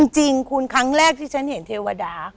จริงคุณครั้งแรกที่ฉันเห็นเทวดา